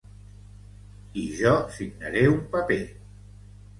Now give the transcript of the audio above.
I jo signaré un paper.